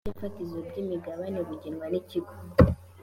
ibice fatizo by’imigabane bugenwa n Ikigo